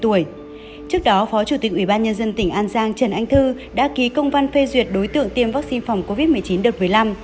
trước đó phó chủ tịch ubnd tỉnh an giang trần anh thư đã ký công văn phê duyệt đối tượng tiêm vaccine phòng covid một mươi chín đợt một mươi năm